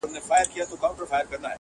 o چي حاجي حاجي ئې بولې، اخير به حاجي سي!